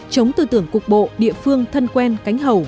chống tư tưởng cục bộ địa phương thân quen cánh hầu